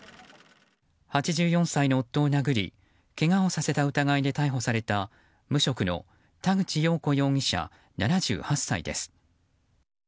８４歳の夫を殴りけがをさせた疑いで逮捕された無職の田口よう子容疑者、７８歳です。